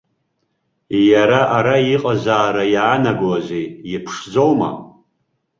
Иара ара иҟазаара иаанагозеи, иԥшӡоума?